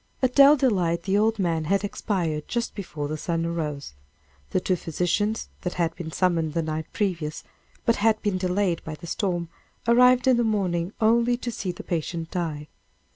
At Dell Delight the old man had expired just before the sun arose. The two physicians that had been summoned the night previous, but had been delayed by the storm, arrived in the morning only to see the patient die.